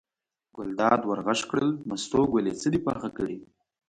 ګلداد ور غږ کړل: مستو ګلې څه دې پاخه کړي.